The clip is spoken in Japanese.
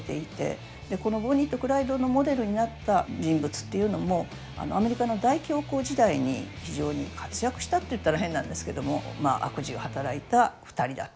このボニーとクライドのモデルになった人物っていうのもアメリカの大恐慌時代に非常に活躍したって言ったら変なんですけどもまあ悪事を働いた２人だったわけです。